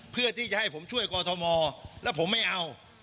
เพื่อที่จะให้ผมช่วยกอทมแล้วผมไม่เอา